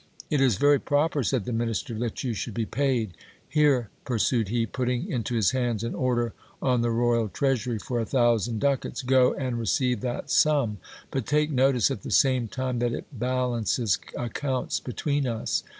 It is very proper, said the minister, that you should be paid. Here, pursued he, putting into his hands an order on the royal treasury for a thousand ducats ; go and re GIL BLAS RECEIVES HIS SALARY. 2S9 ceive that sum ; but take notice at the same time that it balances accounts be tween us.